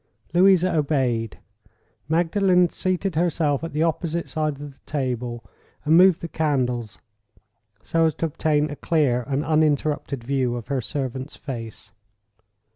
Louisa obeyed. Magdalen seated herself at the opposite side of the table, and moved the candles, so as to obtain a clear and uninterrupted view of her servant's face.